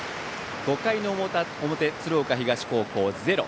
５回の表、鶴岡東高校は０。